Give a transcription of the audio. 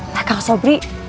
nah kang sobri